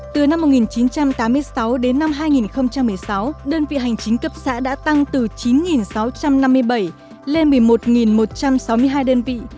từ năm một nghìn chín trăm tám mươi sáu đến năm hai nghìn một mươi sáu đơn vị hành chính cấp xã đã tăng từ chín sáu trăm năm mươi bảy lên một mươi một một trăm sáu mươi hai đơn vị